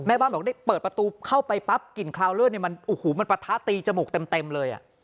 บ้านบอกได้เปิดประตูเข้าไปปั๊บกลิ่นคราวเลือดเนี่ยมันโอ้โหมันปะทะตีจมูกเต็มเลย